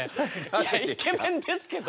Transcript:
いやイケメンですけど。